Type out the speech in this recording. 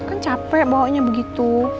kan capek bawanya begitu